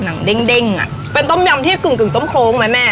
งเด้งอ่ะเป็นต้มยำที่กึ่งต้มโครงไหมแม่